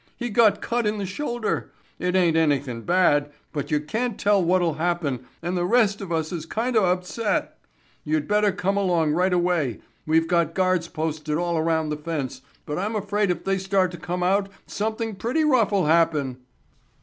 He got cut in the shoulder—it ain't anything bad—but you can't tell what'll happen and the rest of us is kinda upset. You'd better come along right away. We've got guards posted all around the fence, but I'm afraid if they start to come out something pretty rough'll happen."